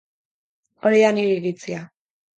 Hori da nire iritzia.